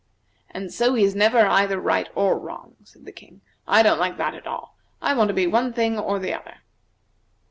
"And so he is never either right or wrong," said the King. "I don't like that, at all. I want to be one thing or the other."